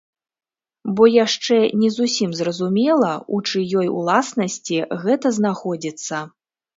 Бо яшчэ не зусім зразумела, у чыёй уласнасці гэта знаходзіцца.